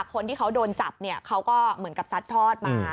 คนที่เขาโดนจับเนี่ยเขาก็เหมือนกับซัดทอดมา